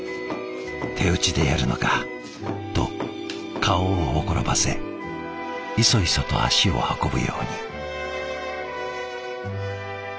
「手打ちでやるのか」と顔をほころばせいそいそと足を運ぶように。